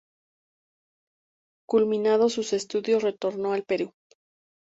Culminado sus estudios, retornó al Perú.